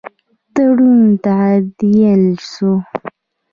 تړون تعدیل سو.